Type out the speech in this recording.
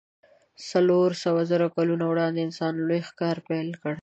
څلور سوو زرو کلونو وړاندې انسانانو لوی ښکار پیل کړ.